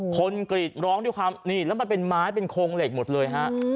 กรีดร้องด้วยความนี่แล้วมันเป็นไม้เป็นโครงเหล็กหมดเลยฮะ